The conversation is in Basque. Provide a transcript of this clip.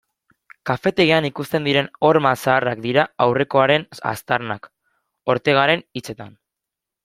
Kafetegian ikusten diren horma zaharrak dira aurrekoaren aztarnak, Ortegaren hitzetan.